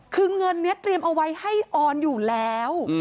คือเงินนี้เตรียมเอาไว้ให้ออนอยู่แล้ว